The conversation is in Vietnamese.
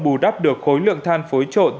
bù đắp được khối lượng than phối trộn